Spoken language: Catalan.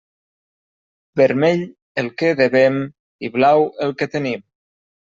Vermell el que devem i blau el que tenim.